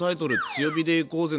「強火で行こうぜ！」